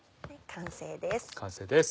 完成です。